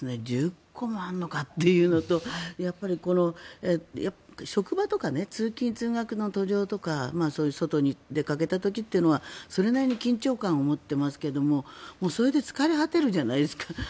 １０個もあるのかというのとやっぱり職場とか通勤・通学の途上とかそういう外に出かけた時というのはそれなりに緊張感を持ってますけどそれで疲れ果てるじゃないですか。